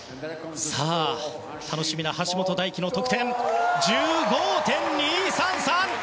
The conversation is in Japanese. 楽しみな橋本大輝の得点は１５．２３３！